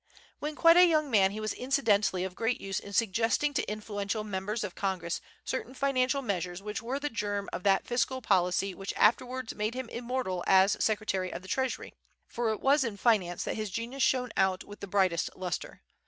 When quite a young man he was incidentally of great use in suggesting to influential members of Congress certain financial measures which were the germ of that fiscal policy which afterwards made him immortal as Secretary of the Treasury; for it was in finance that his genius shone out with the brightest lustre.